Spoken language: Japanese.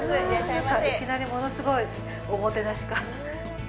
いきなり、ものすごいおもてなしが。